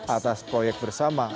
atas proyek bersama anak anak